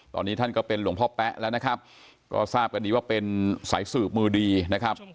ตอนนี้ท่านก็เป็นหลวงพ่อแป๊ะแล้วนะครับก็ทราบกันดีว่าเป็นสายสืบมือดีนะครับ